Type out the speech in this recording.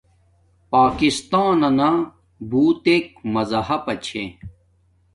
پاکستانانا بوتک مزہپا چھے